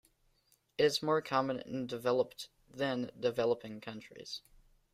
It is more common in developed than developing countries.